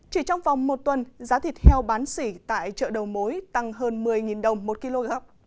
chỉ trong vòng một tuần giá thịt heo bán xỉ tại chợ đầu mối tăng hơn một mươi đồng một kg